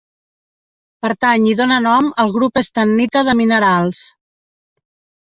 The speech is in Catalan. Pertany i dóna nom al grup estannita de minerals.